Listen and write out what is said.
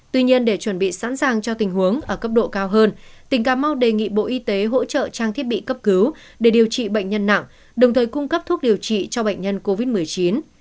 tuy nhiên để chuẩn bị sẵn sàng cho tình huống ở cấp độ cao hơn tỉnh cà mau đề nghị bộ y tế hỗ trợ trang thiết bị cấp cứu để điều trị bệnh nhân nặng đồng thời cung cấp thuốc điều trị cho bệnh nhân covid một mươi chín